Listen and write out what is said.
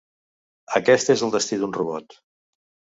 Aquest és el destí d'un robot.